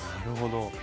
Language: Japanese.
なるほど。